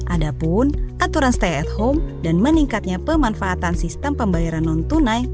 ada pun aturan stay at home dan meningkatnya pemanfaatan sistem pembayaran non tunai